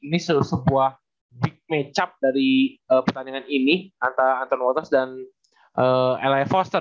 ini sebuah big matchup dari pertandingan ini antara anton wotos dan eli foster